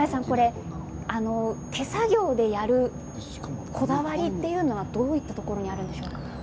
手作業でやるこだわりというのはどういったところですか。